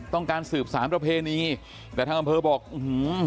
ต้องการสืบสารประเพณีแต่ทางอำเภอบอกอื้อหือ